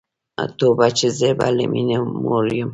توبه چي زه به له میني موړ یم